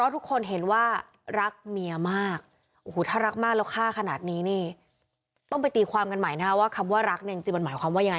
แต่ญาติญาติก็ไม่เคยคิดเลยว่านายนรงวิทย์จะลงมือจริง